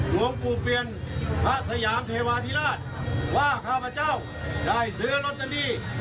หลวงปู่เปลี่ยนพระสยามเทวาธิราชว่าข้าพเจ้าได้ซื้อลอตเตอรี่